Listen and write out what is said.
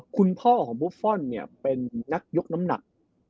คุณพ่อของบุฟฟอลเนี่ยเป็นนักยกน้ำหนัก